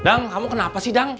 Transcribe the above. dang kamu kenapa sih dang